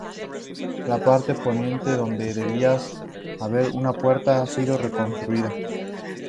La parte de poniente, donde debía haber una puerta, ha sido reconstruida.